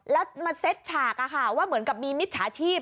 แล้วมาเซ็ตฉากว่าเหมือนกับมีมิจฉาชีพ